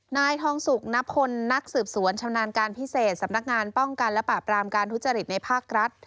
นายทองสุกณพลนักสืบสวนชำนาญการพิเศษสำนักงานป้องกันและปราบรามการทุจริตในภาครัฐ